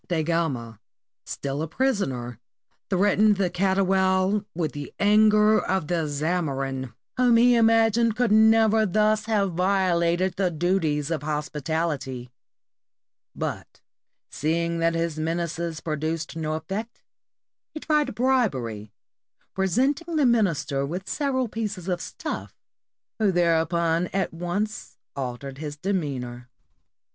Da Gama, still a prisoner, threatened the Catoual with the anger of the Zamorin, whom he imagined could never thus have violated the duties of hospitality; but seeing that his menaces produced no effect, he tried bribery, pre senting the minister with several pieces of stuff, who thereupon at once altered his demeanor.